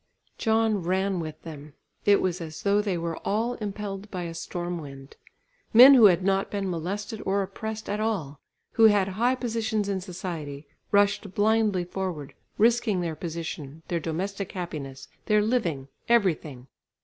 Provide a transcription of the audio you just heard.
John ran with them; it was as though they were all impelled by a storm wind. Men who had not been molested or oppressed at all, who had high positions in society, rushed blindly forward, risking their position, their domestic happiness, their living, everything.